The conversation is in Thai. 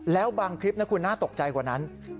แล้วบางคลิปนะคุณน่าตกใจกว่านั้น